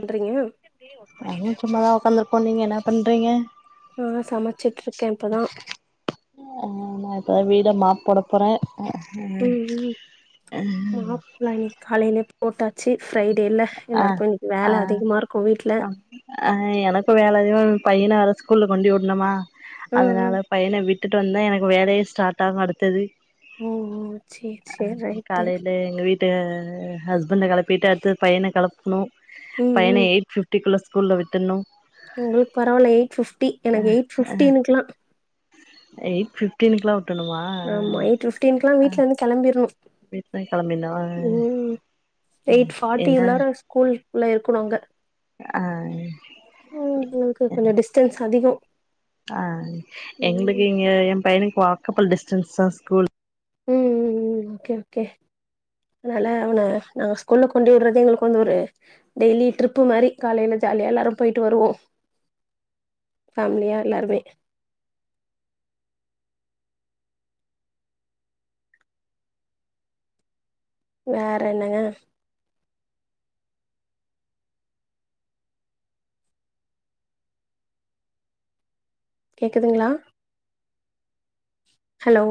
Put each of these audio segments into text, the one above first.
பண்றீங்க அதுவு சும்மாதா உக்காந்துருப்போ நீங்க என்ன பண்றீங்க ஆ சமச்சிட்டு இருக்கே இப்பதா அ வீட மாப்போட போறே ம் ம் மாப் நா இன்னைக்கு காலைல போட்டாச்சி ஆ ஆ இருக்கு வீட்ல ஆ எனக்கு வேலையு பையன வ ஸ்கூல கொண்டு வுடுணுமா ம் ம் அதனால பையன விட்டுட்டு வந்தா எனக்கு வேலையு ஸ்டார்ட் ஆகும் அடுத்தது ஓ ஓ சேரி அ சேரி ரைட்டு காலையில எங்க வீட் டு ஹஸ்பண்ட கலப்பிட்டு அடுத்தது பையன கலப்ணு ம் பையன ம் எயிட் பிஃப்டி குள்ள ஸ்கூ ஸ்கூல்ல விட்டுணு உங்களுக்கு பரவால்ல எயிட் பிஃப்டி எனக்கு எயிட் பிஃப்டீனுக்கலா எயிட் பிஃப்டீனுக்கெல்லா வுட் ஆமா எயிட் பிஃப்டீனுகெல்லா வீட்ல இருந்து கெளம்பிரணு வீட்ல கெளம்பினு ம் எயிட் என்ன ஃபார்ட்டியுல்லார ஸ்கூல் உள்ள இருக்கணு அங்க ஆ எங்களுக்கு கொஞ்ச டிஸ்டன்ஸ் அதிகொ ஆ எங்களுக்கு இங்க என் பையனுக்கு வாக்கப்பல் டிஸ்டன்ஸ் தா ஸ்கூல் ம் ம் ம் ஓகே ஓகே அதனால அவன நாங்க ஸ்கூல்ல கொண்டு வுடுறது எங்களுக்கு வந்து ஒரு டெய்லி ட்ரிப்பு மாரி காலையில ஜா ஜாலியா எல்லாரு போயிட்டு வருவோ [inaudible] ஃபேமிலியா எல்லாருமே வேற என்னங்க கேக்குதுங்ளா ஹலோ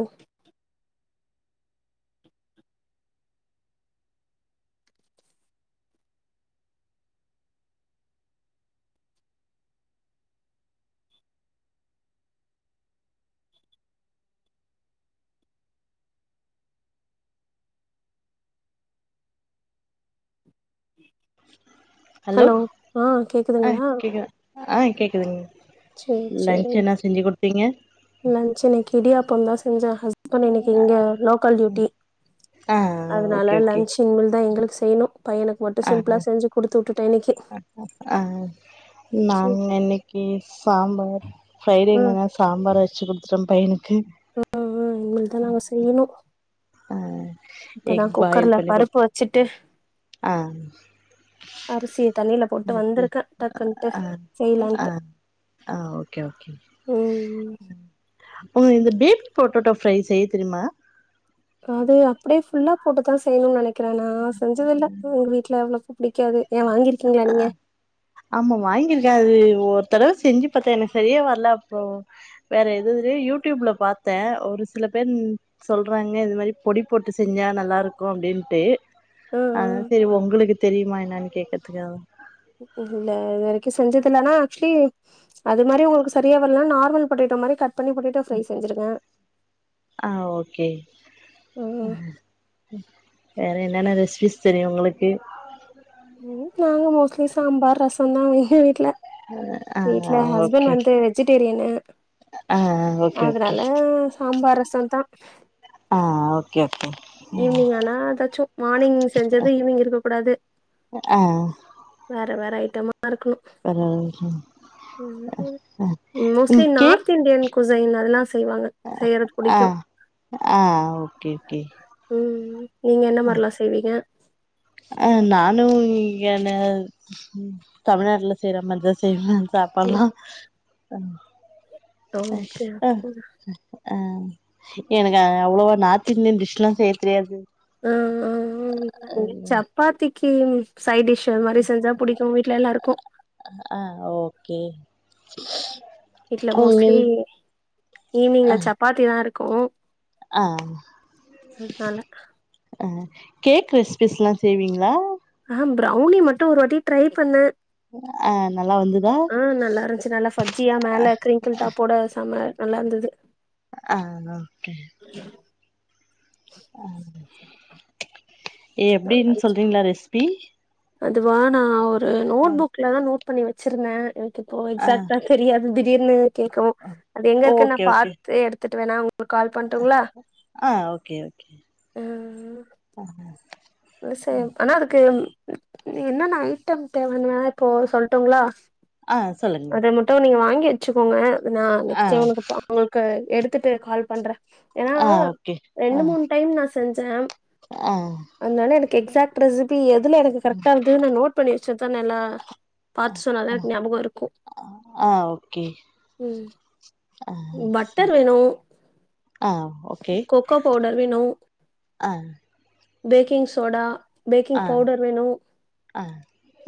ஹலோ ஆ ஆ கேக்குதுங்ளா கேக்குதா ஆ கேக்குதுங்க செரி லன்ச் செரிங்க என்ன செஞ்சு குடுத்தீங்க லன்ச் இன்னைக்கி இடியாப்பந்தா ஹஸ்பண்ட் இன்னைக்கி இங்க லோக்கல் டியூட்டி ஆ ஓகே அதனால ஓகே லஞ்ச் இனிமேல் தா எங்களுக்கு செய்யணு பையனுக்கு மட்டு ஆ சிம்பளா ஆ செஞ்சி குடுத்துவுட்டு ஆ சேரி நாங்க இன்னைக்கி சாம்பார் ம் ஃப்ரைடேங்கனால சாம்பார் வெச்சிகுடுத்துட்டே பையனுக்கு ஆ இனிமேல்தா நாங்க செய்யணு ஆ இப்பதா எக் பாயில் குக்கர்ல பண்ணி குடுத் பருப்பு வச்சுட்டு ஆ அரிசிய தண்ணில போட்டு அது வந்திருக்க டக்குன்ட்டு ஆ ஆ செய்யலான்ட்டு ஆ ஓகே ஓகே ம் ம் இந்த டீப் பொட்டோட்டா ஃப்ரை செய்ய தெரியுமா அது அப்டியே ஃபுல்லா போட்டுதா செய்யணும்னு நெனைக்கிறே நா செஞ்சதில்ல எங்க வீட்டு்ல அவ்ளவ் பிடிக்காது ஏயா வாங்கிருக்கீங்களா நீங்க ஆமா வாங்கியிருக்க அது ஒரு தடவ செஞ்சி பாத்தே எனக்கு சரியா வரல அப்புறோ வேற எது யூடியூப்ல பாத்தே ஒரு சில பேர் சொல்றாங்க இது மாரி பொடி போட்டு செஞ்சா நல்லா இருக்கு அப்டின்ட்டு ஆ அதனால ஆ செரி உங்களுக்கு தெரியுமா என்னன்னு கேக்குறதுக்காக தா இல்ல இது வரைக்கு செஞ்சதில்ல ஆனா ஆக்சுலி அது மாரி உங்களுக்கு சரியா வரலன்னா நார்மல் பொட்டேட்டோ மாரி கட் பண்ணி பொட்டேட்டோ ஃப்ரை செஞ்சிருங்க ஆ ஓகே ம் வேற என்னென்ன ரெசிபிஸ் தெரியு உங்களுக்கு ம் நாங்க மோஸ்ட்லி சாம்பார் ரசம் தா எங்க வீட்ல ஆ வீட்ல ஹஸ்பண்ட் ஓகே வந்து வெஜிடேரியன் ஆ ஓகே ஓகே அதனால சாம்பார் ரசந்தா ஆ ஓகே ஓகே ஈவ்னிங் ஆனா ஏதாச்சு மார்னிங் செஞ்சது ஈவ்னிங் இருக்க கூடாது ஆ வேற வேற அய் டமா இருக்குனு வேற மோஸ்ட்லி ம் கேக் நார்த் இந்தியன் [unintelligible] ஆ ஆ ஓகே ஓகே ம். நீங்க என்ன அ மாரிலாம் செய்வீங்க? அ நானு என்ன ம் தமிழ்நாட்டுல செய்யற மாரிதா செய்வே சாப்பாட்லா ம். அ ஓகே, அ அ ஓகேங்க. அ எனக்கு அவ்வளவா நார்த் இந்தியன் டிஷ்லாம் செய்ய தெரியாது ஆ ஆ சப்பாத்திக்கு சைடிஷ் மாரி செஞ்சா புடிக்கு வீட்ல எல்லாருக்கு. ஆ ஓகே வீட்ல உங்கள் மோஸ்ட்லி ஈவ்னிங்ல சப்பாத்தி தா இருக்கு. அ அ கேக் ரெசிபிஸ்லா செய்வீங்களா? ஆம் ப்ரவுனி மட்டு ஒரு வாட்டி ட்ரை பண்ணே ஆ நல்லா வந்துதா ஆ நல்லா இருந்துச்சி நல்லா பப்ஜியா மேல கிரிங்கிள் டாப்போட செம நல்லா இருந்தது அ அ ஓகே அ ம் எப்டின்னு நல்லா சொல்றீங்களா ரெசிப்பி அதுவா நா ஒரு நோட் புக்லதா நோட் பண்ணி வச்சிருந்தே எனக்கு இப்போ ஆ எக்ஸாக்டா தெரியது திடீர்னு கேக்கவு அது எங்க இருக்குன்னு நா ஓகே ஓகே பாத்து எடுத்துட்டு வேணா உங் கால் பண்டுங்களா ஆ ஓகே ஓகே அ விசயம் ஆனா அதுக்கு எம் என்னென்ன ஐட்டம் தேவன்னு வேணா இப்போ சொல்டோங்களா ஆ சொல்லுங்க அத மட்டு நீங்க வாங்கி வச்சுக்கோங்க நா ஆ நெக்ஸ்ட் டைம் உங்களுக்கு எடுத்துட்டு கால் பண்றே ஏன்னா ஆ ஓகே ரெண்டு ஆ மூணு டைம் நா செஞ்சே ஆ அதுனால எனக்கு எக்ஸாக்ட் ரெசிபி எதுல எனக்கு கரெக்டா இருந்ததுனு நோட் பண்ணி வெச்சுட்டேனேல்ல பாத்து சொன்னாதா எனக்கு ஞாபகோ இருக்கு ஆ ஓகே ம் ஆ ச பட்டர் வேணு ஆ ஓகே கொக்கோ பவுடர் வேணு ஆ பேக்கிங் சோடா பேக்கிங் பவுடர் வேணு அ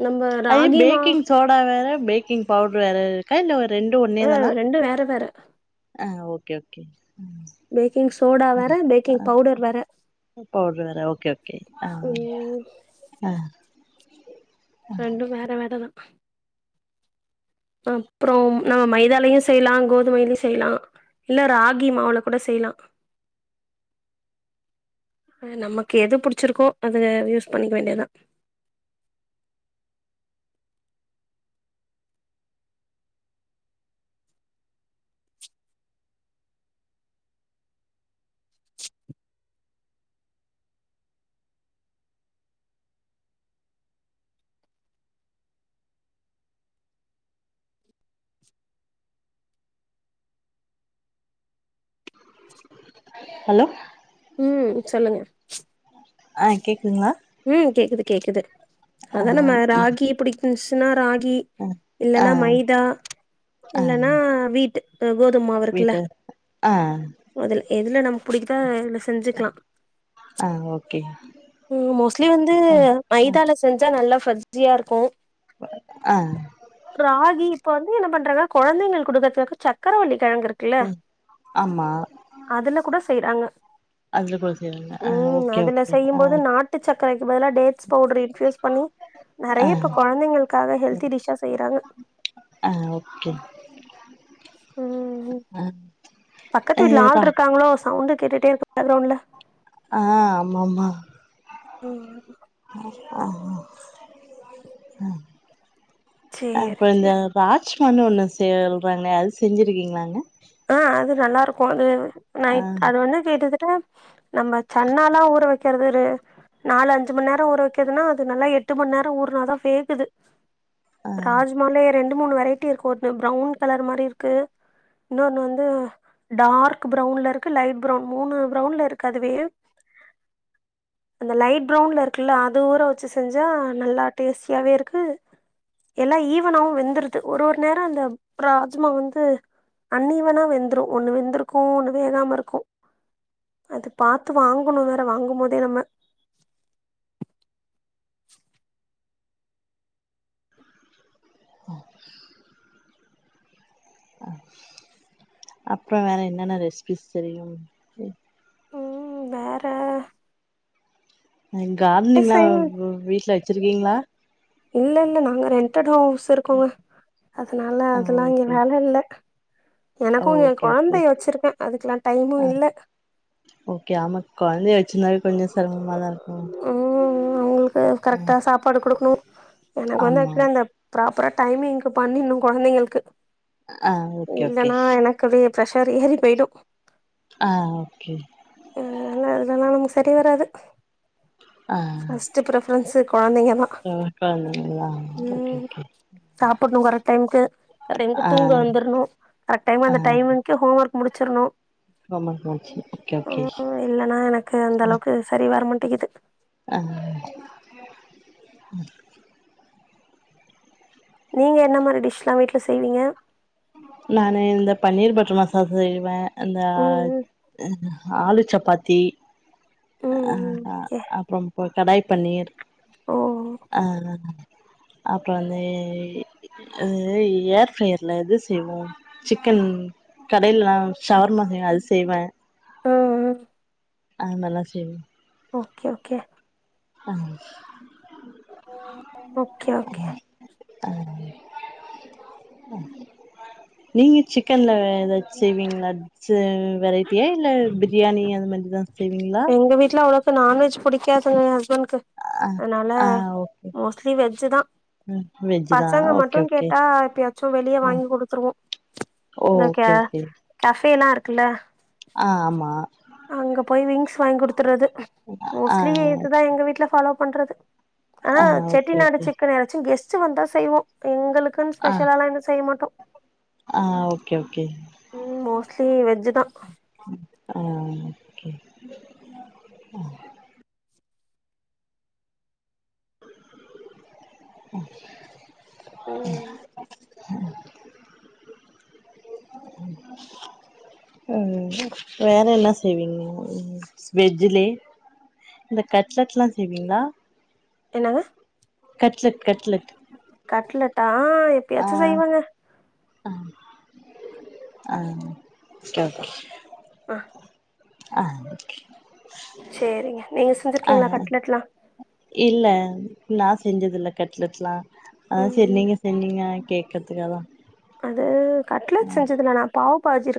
நம்ம அது ராகி மா பேக்கிங் சோடா வேற பேக்கிங் பவுடரு வேற இருக்கா இல்ல ரெண்டு ஒன்னே தானா ரெண்டு வேற வேற ஆ ஓகே ஓகே பேக்கிங் சோடா வேற பேக்கிங் பவுடர் வேற பவுடரு வேற ஓகே ஓகே அ ம் அ ரெண்டு வேற வேறதா அப்புறம் நம்ம மைதாலையு செய்யலா கோதுமைலயு செய்யலா இல்ல ராகி மாவுல கூட செய்யலா நமக்கு எது பிடிச்சிருக்கோ அத யூஸ் பண்ணிக்க வேண்டியதா ஹலோ ம் சொல்லுங்க ஆ கேக்குதுங்களா ம் கேக்குது கேக்குது ஆ அதா நம்ம ம் ராகி புடிக்குன்ச்சுனா ராகி கி ஆ இல்லன்னா மைதா ஆ இல்லன்னா வீட்டு கோதும்மாவு இருக்குல்ல வீட்டு ஆ அதுல எதுல நம்ம பிடிக்குதோ அதுல செஞ்சுக்லா ஆ ஓகே ஆக்சுலி வந்து மைதால செஞ்சா நல்லா ஃபஜ்ஜியா இருக்கு ஆ ராகி இப்ப வந்து என்ன பண்றாங்க குழந்தைங்கள் குடுக்கத்துக்கு சக்கரவல்லி கிழங்கு இருக்குல்ல ம் ஆமா அதுல கூட செய்றாங்க அதுல கூட செய்வாங்களா ஆ ஓகே ஓகே அ ட்டு சக்கரைக்கு பதுல டேட்ஸ் பவுடர் இன்ஃப்யூஸ் பண்ணி ஆ நறைய இப்ப குழந்தைங்களுக்காக ஹெல்தி டிஸ்ஷா செய்றாங்க அ ஓகே ம் பக்கத்து ஆ வீட்டுல ஆள் இருக்காங்களோ சவுண்டு கேட்டுட்டே இரு கிரவுண்ட்ல அ ஆம்மாமா ஓ ஆஹ அ சேரி அப்ரோ இந்த சேரி ராஜ் ஒன்னு ஒன்னு சேல்றாங்களே அது செஞ்சுருக்கீங்களாங்க ஆ அது நல்லா ஆ நைட் அது வந்து கிட்டதட்ட நம்ம சன்னாலா ஊற வைக்கிறது நாலஞ்சு மண்நேரோ ஊற வைக்கதுன்னா அது நல்லா எட்டு மண்நேரோ ஊறுனாதா வேகுது ஆ ராஜ்மாலே ரெண்டு மூணு வெரைட்டி இருக்கு ஒன்னு ப்ரௌன் கலர் மாரி இருக்கு இன்னொன்னு வந்து டார்க் ப்ரவுன்ல இருக்கு லைட் ப்ரவுன் மூணு ப்ரவுன்ல இருக்கு அதுவே அந்த லைட் ப்ரவுன்ல இருக்குல்ல அது ஊர வச்சு செஞ்சா நல்லா டேஸ்டியாவே இருக்கு எல்லா ஈவனாவு வெந்துருது ஒரு ஒரு நேரோ அந்த ராஜ்மா வந்து தண்ணி வேணா வெந்துரு ஒண்ணு வெந்திருக்கு ஒண்ணு வேகாம இருக்கு அது பாத்து வாங்கணு வேற வாங்கும் போதே நம்ம ஓ அப்ப வேற என்னென்ன ரெசிபிஸ் தெரியும் உம் வேற கார்டனிங்லா சரி. வீட்ல வச்சிருக்கீங்களா இல்ல இல்ல நாங்க ரெண்டட் ஹவுஸ் இருக்கோங்க அதனால ஆ அதெல்லா இங்க ஓகே வேல இல்ல எனக்கும் இங்க ஓகே ஓகே கொழந்தைய வச்சிருக்க அதுக்கெல்லா டைமு ஆ இல்ல ஓகே ஆமா கொழந்தைய வச்சிருந்தாவே கொஞ்சோ செரமமாதா இருக்கு கரக்டா சாப்பாடு குடுக்ணு எனக்கு வந்து ஆமா ஆக்சுவல அந்த ப்ராப்பரா டைமிங்கு பண்ணிர்ணு கொழந்தைங்களுக்கு ஆ ஓகே ஓகே இல்லனா எனக்கு வே பிரஷர் ஏரி போய்டு ஆஹ் ஓகே அதனால சரி வராது ஆ ஃபஸ்ட் ப்ரஃபரன்ஸ் கொழந்தைங்க தா கொழந்தைங்களா ஓகே உம் ஓகே சாப்பட்ணு வர டைம்க்கு கரெக்ட் டைம்க்கு ஆ தூங்க வந்தர்ணு கரக்ட் டைம் ஆ அந்த டைம் கங்கு ஹோம் ஒர்க் முடிச்சர்னு ரொம்ப மகிழ்ச்சி ஓகே ஓகே இல்லன்னா எனக்கு அந்த அளவுக்கு சரி வர டிக்குது அஹ் நீங்க என்ன மாறி டிஷ்லா வீட்ல செய்வீங்க நானு இந்த பன்னீர் பட்டர் மசாலா செய்வ இந்த ம் ம் ஆலு சப்பாத்தி ம் ம் அஹ் கே அப்பறோ கடாய் பன்னீர் ஓ ம் ஆஹ் அப்பறோ வந்து ஏர் ஃப்ரையர்ல இது செய்வோ சிக்கன் கடையிலல்லா ஷவர்மா செய் அது செய்வ ஆஹ் அத மார்லா செய்வோ ஓகே ஓகே அஹ் ஓகே ஓகே அஹ் நீங்க சிக்கன்ல ஏதாச்சும் செய்வீங்களா வெரைட்டி இல்ல பிரியாணி அந்த மாறி எங்க வீட்ல அவ்ளோக்கு நான்வெஜ் புடிக்காதுங்க ஹஸ்பண்ட் அதனால ஆ ஓகே மோஸ்ட்லி வெஜ் தா ம் வெஜ் தா பசங்க ஓகே மட்டு ஓகே கேட்டா எப்பயாச்சு வெளிய வாங்கி குடுத்துருவோ ஓகே கஃபே எல்லா இருக்குல்ல ஆஹ் ஆமா அங்க போய் விங்ஸ் வாங்கி குடுத்துறது ஆ மோஸ்ட்லி இதுதா எங்க வீட்ல ஃபாலோ பண்றது ஆனா ஆ செட்டி ஓகே நாடு ஓகே சிக்கன் யாராச்சு கெஸ்ட் வந்த செய்வோ எங்களுக் க்குன்னு ஸ்பெஷலலா எது செய்ய மாட்டோ ஆஹ் ஓகே ஓகே ம் மோஸ்ட்லி வெஜ்ஜு தா அஹ் ஓகே [inaudible] [inaudible] [inaudible] உம் வேற என்ன செய்வீங்க வெஜ்லயே இந்த கட்லெட்லா செய்வீங்களா என்னங்க கட்லட் கட்லட் ஆஹ் எப்பயாச்சு செய்வங்க ஆஹ் [unintelligible] ஆ ஆ சேரிங்க நீங்க ஆ செஞ்சிருக்கீங்களா கட்லெட்லா இல்ல நா செஞ்சதுல்ல கட்லெட்லா அதா செரி ம் நீங்க செஞ்சிங்கன்னா கேக்கறதுக்காகதா அது கட்லெட் ஆ செஞ்சதுல்ல நா பாவ்பாஜி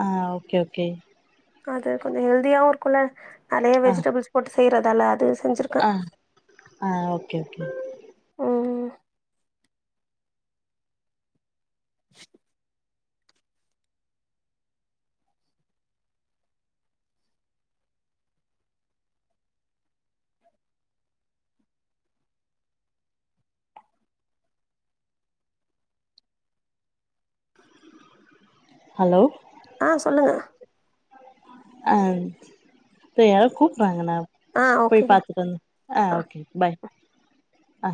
ஆ ஓகே ஓகே அது கொஞ்ச ஹெல்தியாவு இருக்குல்ல அதுலேயே ஆ வெஜிடபிள்ஸ் போட்டு செய்றதால அது செஞ்சிருக்கே ஆ ஆ ஓகே ஓகே ம் [inaudible] ஹலோ ஆ சொல்லுங்க ஆ இப்ப யாரோ கூப்ட்டாங்க நா ஆ போய் ஓகேங்க பாத்துட்டு வந் ஆ ஓகே பய் ஆ